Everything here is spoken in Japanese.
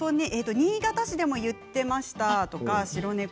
新潟市でも言っていましたという方。